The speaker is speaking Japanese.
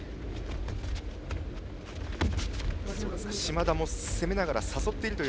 嶋田も攻めながら誘っているという。